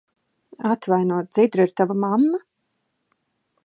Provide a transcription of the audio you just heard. Atvaino, Dzidra ir tava mamma?